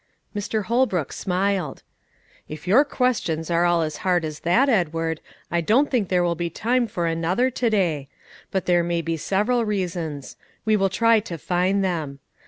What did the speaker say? Mr. Holbrook smiled. "If your questions are all as hard as that, Edward, I don't think there will be time for another to day. But there may be several reasons: we will try to find them.